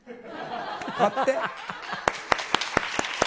買って。